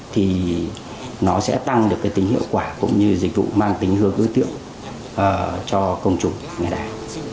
thì nó sẽ tăng được cái tính hiệu quả cũng như dịch vụ mang tính hướng ưu tiệu cho công chúng ngày nay